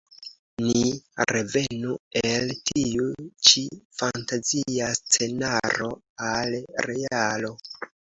Ni revenu el tiu ĉi fantazia scenaro al realo.